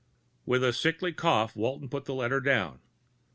_ With a sickly cough Walton put the letter down.